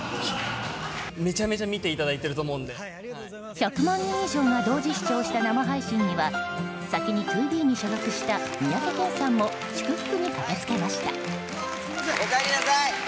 １００万人以上が同時視聴した生配信には先にＴＯＢＥに所属した三宅健さんも祝福に駆け付けました。